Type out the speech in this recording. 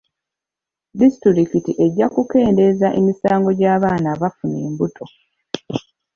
Disitulikiti ejja kukendeeza emisango gy'abaana abafuna embuto.